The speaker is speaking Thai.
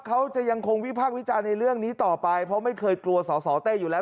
เขาจะยังคงวิพากษ์วิจารณ์ในเรื่องนี้ต่อไปเพราะไม่เคยกลัวสอสอเต้อยู่แล้ว